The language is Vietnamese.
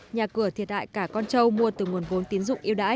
nhà cửa thiệt hại cả con trâu mua từ nguồn vốn tín dụng yêu đãi